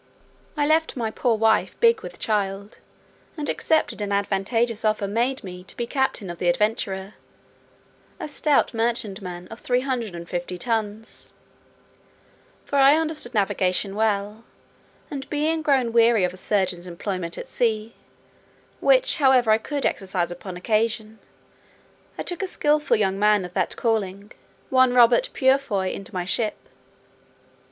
I left my poor wife big with child, and accepted an advantageous offer made me to be captain of the Adventurer, a stout merchantman of 350 tons: for I understood navigation well, and being grown weary of a surgeon's employment at sea, which, however, I could exercise upon occasion, I took a skilful young man of that calling, one Robert Purefoy, into my ship.